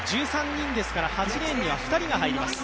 １３人ですから、８レーンには２人が入ります。